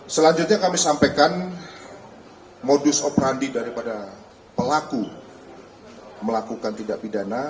selanjutnya kami sampaikan modus operandi daripada pelaku melakukan tindak pidana